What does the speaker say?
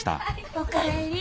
お帰り。